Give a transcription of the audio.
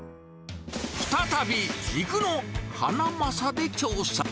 再び、肉のハナマサで調査。